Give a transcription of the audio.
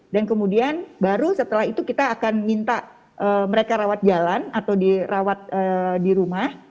dan kemudian baru setelah itu kita akan minta mereka rawat jalan atau dirawat di rumah